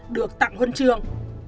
được tặng huân trường